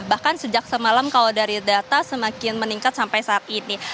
bahkan sejak semalam kalau dari data semakin meningkat sampai saat ini